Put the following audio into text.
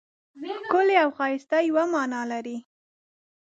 ښکلی او ښایسته یوه مانا لري.